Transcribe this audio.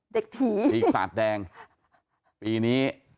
เด็กผีศาสตร์แดงปีนี้